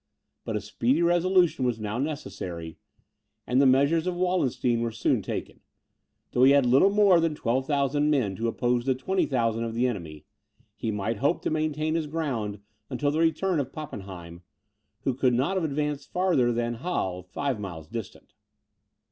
But a speedy resolution was now necessary; and the measures of Wallenstein were soon taken. Though he had little more than 12,000 men to oppose to the 20,000 of the enemy, he might hope to maintain his ground until the return of Pappenheim, who could not have advanced farther than Halle, five miles distant.